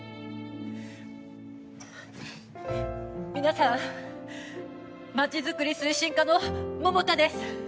皆さん町づくり推進課の桃田です。